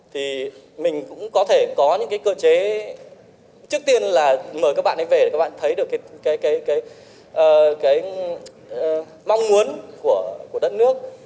thì mình cũng có thể có những cái cơ chế trước tiên là mời các bạn ấy về các bạn thấy được cái mong muốn của đất nước